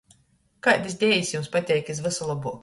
Kaidys dejis jums pateik iz vysa lobuok?